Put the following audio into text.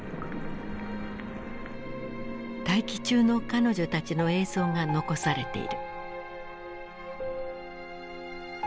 待機中の彼女たちの映像が残されている。